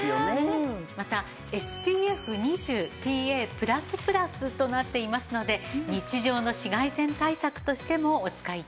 またＳＰＦ２０ＰＡ＋＋となっていますので日常の紫外線対策としてもお使い頂けます。